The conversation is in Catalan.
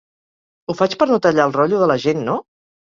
Ho faig per no tallar el rotllo de la gent, no?